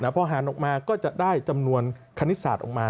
พอหารออกมาก็จะได้จำนวนคณิตศาสตร์ออกมา